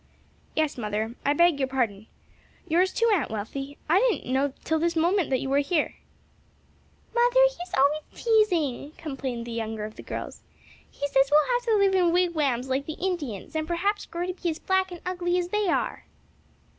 "Yes, mother, I beg your pardon. Yours too, Aunt Wealthy, I didn't know till this moment that you were here." "Mother, he's always teasing," complained the younger of the girls, "he says we'll have to live in wigwams like the Indians and perhaps grow to be as black and ugly as they are."